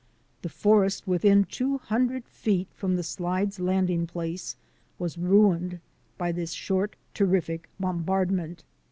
The forest within two hundred feet from the slide's landing place was ruined by this short, terrific bombardment.